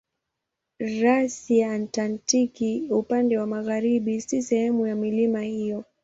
Rasi ya Antaktiki upande wa magharibi si sehemu ya milima hiyo.